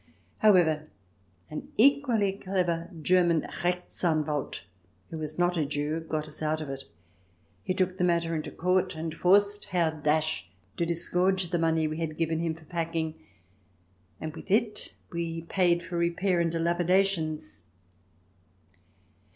However, an equally clever German Rechtsanwalt, who was not a Jew, got us out of it. He took the matter into court, and forced Herr to disgorge the money we had given him for packing, and with it we paid for repair and dilapidations.